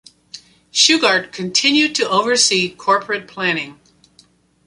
Shugart continued to oversee corporate planning.